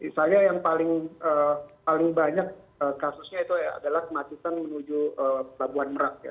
saya yang paling banyak kasusnya itu adalah kemacetan menuju pelabuhan merak ya